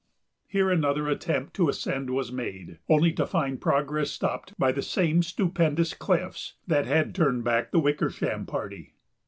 Here another attempt to ascend was made, only to find progress stopped by the same stupendous cliffs that had turned back the Wickersham party.